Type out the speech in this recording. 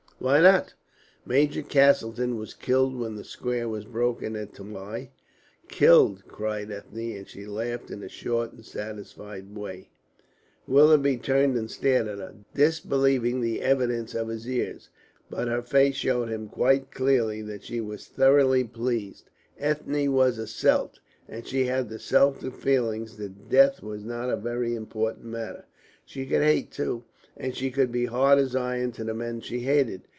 "Why not?" "Major Castleton was killed when the square was broken at Tamai." "Killed?" cried Ethne, and she laughed in a short and satisfied way. Willoughby turned and stared at her, disbelieving the evidence of his ears. But her face showed him quite clearly that she was thoroughly pleased. Ethne was a Celt, and she had the Celtic feeling that death was not a very important matter. She could hate, too, and she could be hard as iron to the men she hated.